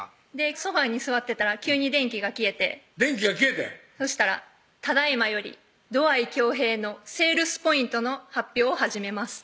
ソファーに座ってたら急に電気が消えて電気が消えてそしたら「ただいまより土合恭平のセールスポイントの発表を始めます」